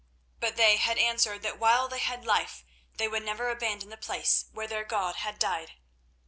But they had answered that while they had life they would never abandon the place where their God had died.